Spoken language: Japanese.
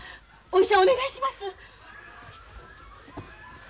お医者お願いします。